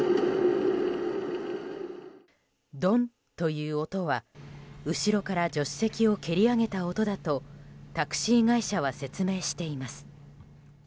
ドンという音は、後ろから助手席を蹴り上げた音だとタクシー会社は説明しています。